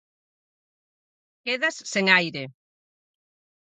Quedas sen aire.